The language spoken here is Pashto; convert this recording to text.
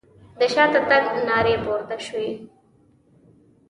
د شاته تګ نارې پورته شوې.